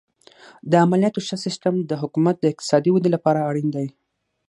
د مالیاتو ښه سیستم د حکومت د اقتصادي ودې لپاره اړین دی.